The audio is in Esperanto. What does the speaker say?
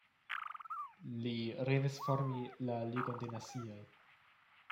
Li revis formi la Ligon de Nacioj.